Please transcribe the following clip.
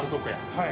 はい。